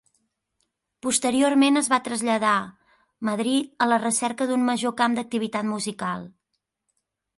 Posteriorment es va traslladar Madrid a la recerca d'un major camp d'activitat musical.